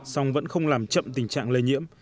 song vẫn không làm chậm tình trạng lây nhiễm